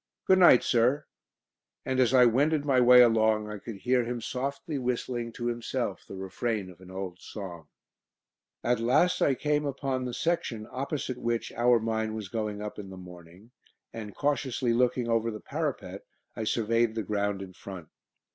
"Good night, sir!" And as I wended my way along I could hear him softly whistling to himself the refrain of an old song. At last I came upon the section opposite which our mine was going up in the morning, and cautiously looking over the parapet I surveyed the ground in front.